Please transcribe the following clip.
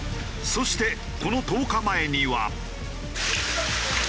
そしてこの１０日前には。